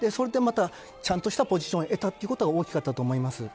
ちゃんとしたポジションを得たということが大きかったと思います。